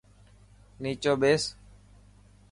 نيچو ٻيس.